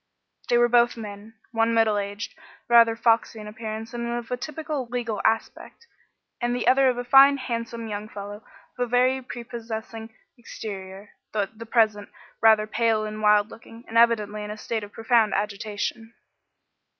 They were both men one middle aged, rather foxy in appearance and of a typically legal aspect, and the other a fine, handsome young fellow of very prepossessing exterior, though at present rather pale and wild looking, and evidently in a state of profound agitation.